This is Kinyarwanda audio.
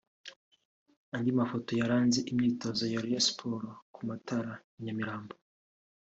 Andi mafoto yaranze imyitozo ya Rayon Sports ku matara i Nyamirambo